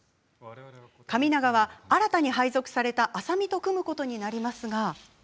神永は新たに配属された浅見と組むことになりますが。